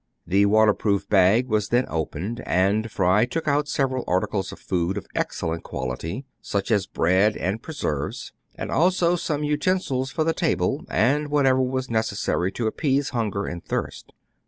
The water proof bag was then opened ; and Fry took out several articles of food of excellent qual ity, such as bread and preserves, and also some utensils for the table, and whatever was necessary to appease hunger and thirst.